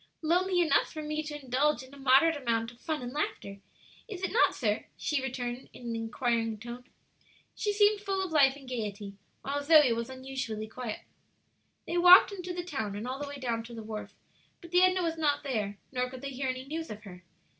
"Lonely enough for me to indulge in a moderate amount of fun and laughter, is it not, sir?" she returned, in an inquiring tone. She seemed full of life and gayety, while Zoe was unusually quiet. They walked into the town and all the way down to the wharf; but the Edna was not there, nor could they hear any news of her.